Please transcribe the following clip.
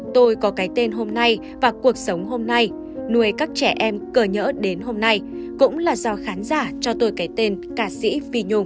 tôi có cái tên hôm nay và cuộc sống hôm nay nuôi các trẻ em cờ nhỡ đến hôm nay cũng là do khán giả cho tôi cái tên ca sĩ phi nhung